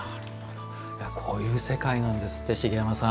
こういう世界なんですって茂山さん。